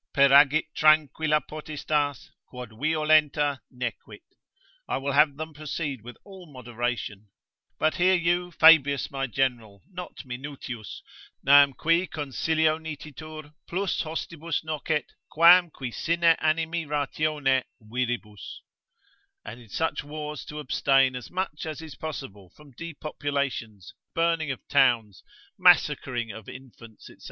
Peragit tranquilla potestas, Quod violenta nequit. I will have them proceed with all moderation: but hear you, Fabius my general, not Minutius, nam qui Consilio nititur plus hostibus nocet, quam qui sini animi ratione, viribus: And in such wars to abstain as much as is possible from depopulations, burning of towns, massacring of infants, &c.